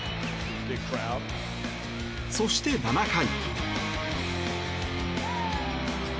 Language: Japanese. そして７回。